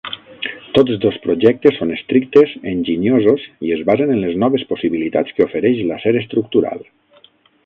Tots dos projectes són estrictes, enginyosos i es basen en les noves possibilitats que ofereix l'acer estructural.